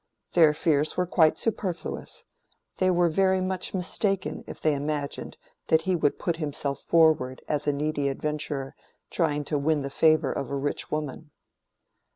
Their fears were quite superfluous: they were very much mistaken if they imagined that he would put himself forward as a needy adventurer trying to win the favor of a rich woman.